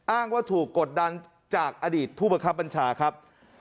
อ้างว่าถูกกดดันจากอดีตผู้บังคับบัญชาครับ